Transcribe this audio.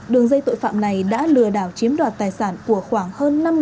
đường dây tội phạm này đã lừa đảo chiếm đoạt tài sản của khoảng hơn năm triệu đồng